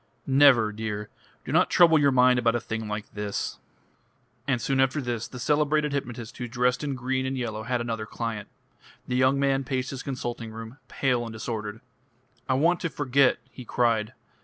"Never, dear. Do not trouble your mind about a thing like this." And soon after this the celebrated hypnotist who dressed in green and yellow had another client. The young man paced his consulting room, pale and disordered. "I want to forget," he cried.